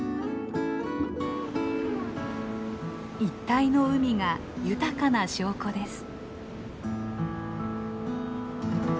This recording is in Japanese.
一帯の海が豊かな証拠です。